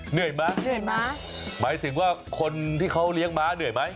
เหนื่อยมะหมายถึงว่าคนที่เขาเลี้ยงม้าเหนื่อยไหม